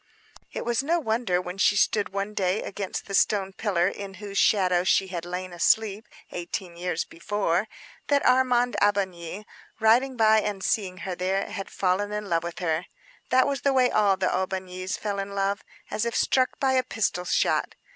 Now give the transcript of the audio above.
It was no wonder, when she stood one day against the stone pillar in whose shadow she had lain asleep, eighteen years before, that Armand Aubigny riding by and seeing her there, had fallen in love with her. That was the way all the Aubignys fell in love, as if struck by a pistol shot.